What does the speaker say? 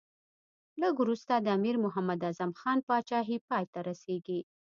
لږ وروسته د امیر محمد اعظم خان پاچهي پای ته رسېږي.